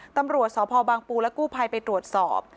ตำรวจสพบางปูและกู้ภัยไปตรวจสอบ